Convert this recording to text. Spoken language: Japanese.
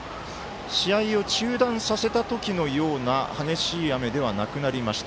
試合を中断させた時のような激しい雨ではなくなりました。